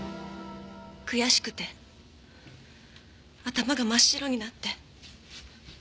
悔しくて頭が真っ白になって。